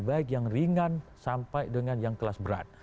baik yang ringan sampai dengan yang kelas berat